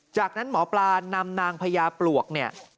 จากนั้นหมอปลานำนางพญาปลวกเนี่ย